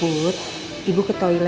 put ibu ke toilet dulu ya